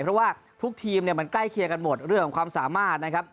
เพราะว่าทุกทีมเนี่ยมันใกล้เคียงกันหมดเรื่องของความสามารถนะครับ